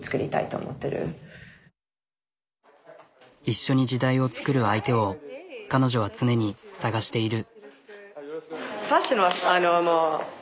一緒に時代を作る相手を彼女は常に探している。